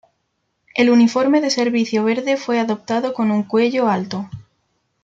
El uniforme de servicio verde fue adoptado con un cuello alto.